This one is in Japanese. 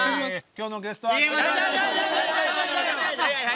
今日のゲストは。